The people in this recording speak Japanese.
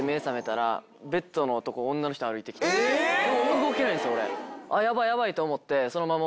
動けないんすよ俺。